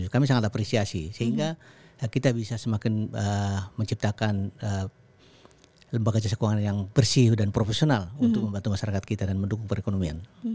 kami sangat apresiasi sehingga kita bisa semakin menciptakan lembaga jasa keuangan yang bersih dan profesional untuk membantu masyarakat kita dan mendukung perekonomian